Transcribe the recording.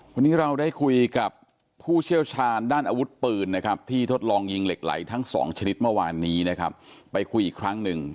วันนี้เราได้คุยกับผู้เชี่ยวชาญด้านอาวุธปืนนะครับที่ทดลองยิงเหล็กไหลทั้งสองชนิดเมื่อวานนี้นะครับไปคุยอีกครั้งหนึ่ง